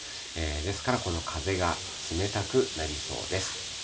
ですからこの風が冷たくなりそうです。